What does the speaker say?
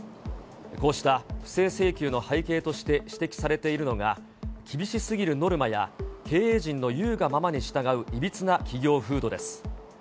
こうした不正請求の背景として指摘されているのが、厳しすぎるノルマや経営陣の言うがままに従ういびつな企業風土です。